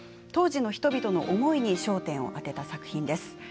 当時の人々の思いに焦点を当てた作品です。